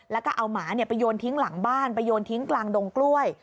แล้วก็เอาหมาไปโยนทิ้งหลังบ้านไปโยนทิ้งกลางดงกล้วย